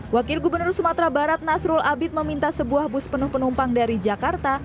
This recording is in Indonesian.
wakil gubernur sumatera barat nasrul abid meminta sebuah bus penuh penumpang dari jakarta